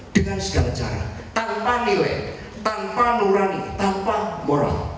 dengan segala cara tanpa nilai tanpa nurani tanpa moral